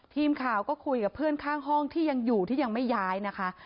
ทีมข่าวก็คุยกับเพื่อนข้างห้องที่ยังอยู่ที่ยังไม่ย้ายนะคะ